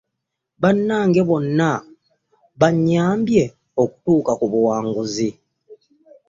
Bannange bonna bannyambye okutuuka ku buwanguzi.